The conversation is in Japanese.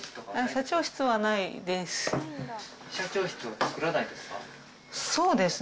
社長室はないです。